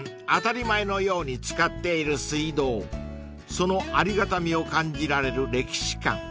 ［そのありがたみを感じられる歴史館］